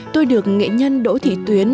tôi được nghệ nhân đỗ thị tuyến